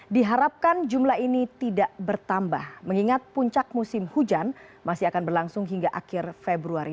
diharapkan jumlah ini tidak bertambah mengingat puncak musim hujan masih akan berlangsung hingga akhir februari